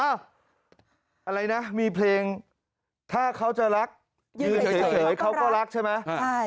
อะไรนะมีเพลงถ้าเขาจะรักยืนเฉยเขาก็รักใช่ไหม